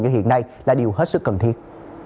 như hiện nay là điều hết sức cần thiết